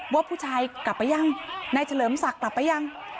ว่าผู้ชายกลับไปยังนายเฉลิมศักดิ์กลับไปยัง